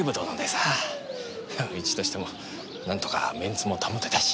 いやあうちとしてもなんとか面子も保てたし。